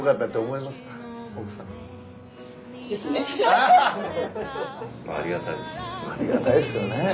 ありがたいですよね